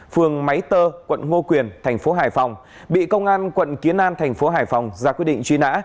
phường máy tơ quận ngo quyền tp hải phòng bị công an quận kiến an tp hải phòng ra quyết định truy nã